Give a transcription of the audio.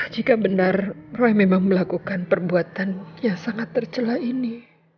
jika benar roh memang melakukan perbuatan yang sangat tercelah ini